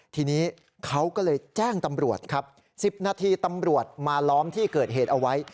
ทีนี้เขาก็เลยแจ้งตำรวจครับ๑๐นาทีตำรวจมาล้อมที่เกิดเหตุเอาไว้